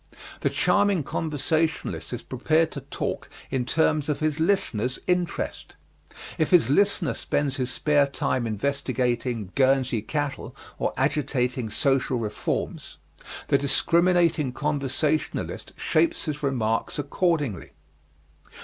The charming conversationalist is prepared to talk in terms of his listener's interest. If his listener spends his spare time investigating Guernsey cattle or agitating social reforms, the discriminating conversationalist shapes his remarks accordingly.